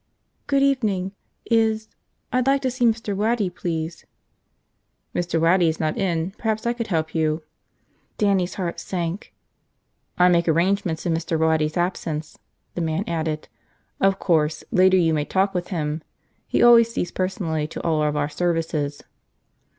"Good evening. Is – I'd like to see Mr. Waddy, please." "Mr. Waddy is not in. Perhaps I could help you?" Dannie's heart sank. "I make arrangements in Mr. Waddy's absence," the man added. "Of course, later you may talk with him. He always sees personally to all of our services."